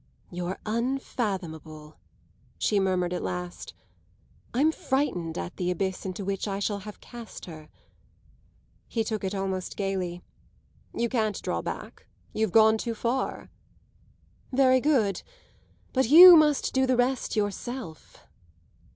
"You're unfathomable," she murmured at last. "I'm frightened at the abyss into which I shall have cast her." He took it almost gaily. "You can't draw back you've gone too far." "Very good; but you must do the rest yourself."